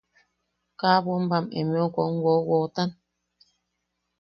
–¿Kaa bombam emeu kom wowotan?